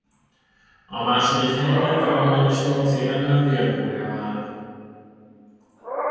A második helyen egy arannyal és nyolc éremmel Dél-Korea áll.